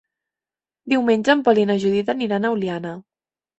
Diumenge en Pol i na Judit aniran a Oliana.